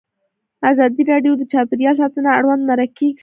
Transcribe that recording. ازادي راډیو د چاپیریال ساتنه اړوند مرکې کړي.